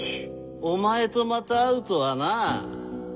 お前とまた会うとはな。